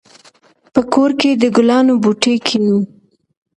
په کور کې د ګلانو بوټي کېنوو.